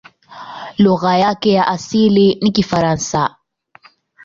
Lugha yake ya asili ni Kifaransa.